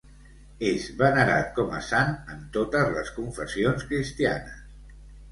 És venerat com a sant en totes les confessions cristianes.